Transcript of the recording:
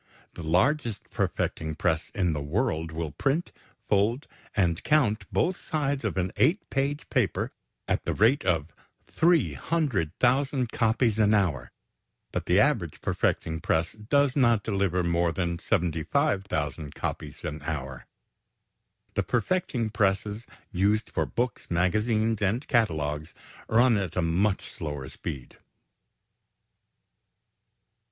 The largest perfecting press in the world will print, fold, and count both sides of an eight page paper at the rate of 300,000 copies an hour, but the average perfecting press does not deliver more than 75,000 copies an hour. The perfecting presses used for books, magazines, and catalogues run at a much slower speed.